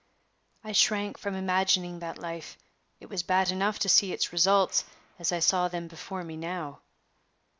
(I shrank from imagining that life: it was bad enough to see its results, as I saw them before me now.)